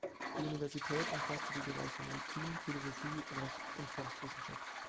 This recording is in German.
Die Universität umfasste die Bereiche Medizin, Philosophie, Recht und Forstwissenschaft.